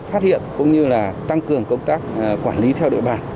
phát hiện cũng như là tăng cường công tác quản lý theo đội bản